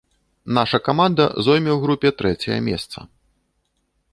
Наша каманда зойме ў групе трэцяе месца.